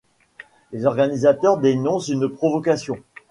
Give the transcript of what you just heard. Les organisateurs dénoncent une provocation.